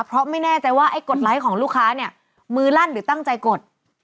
เพราะไม่แน่ใจว่าไอ้กดไลค์ของลูกค้าเนี่ยมือลั่นหรือตั้งใจกด